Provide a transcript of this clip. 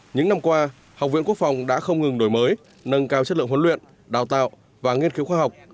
những năm qua học viện quốc phòng đã không ngừng đổi mới nâng cao chất lượng huấn luyện đào tạo và nghiên cứu khoa học